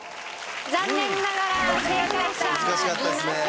残念ながら正解者いませんでした。